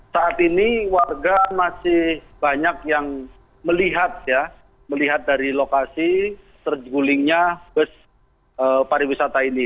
saat ini warga masih banyak yang melihat ya melihat dari lokasi tergulingnya bus pariwisata ini